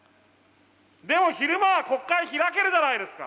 でも昼間は国会開けるじゃないですか。